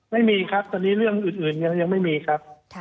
ไม่มีครับตอนนี้เรื่องอื่นยังไม่มีครับ